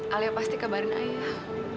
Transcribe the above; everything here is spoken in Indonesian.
alia pasti kabarin ayah